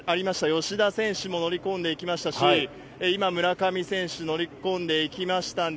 吉田選手も乗り込んでいきましたし、今、村上選手乗り込んでいきましたんで、